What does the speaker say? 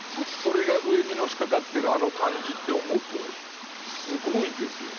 それが上にのしかかってるあの感じって思うとすごいですよね。